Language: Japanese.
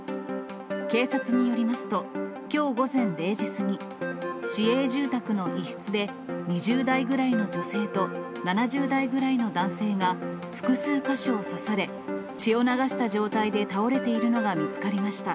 警察によりますと、きょう午前０時過ぎ、市営住宅の一室で、２０代ぐらいの女性と７０代ぐらいの男性が複数か所を刺され、血を流した状態で倒れているのが見つかりました。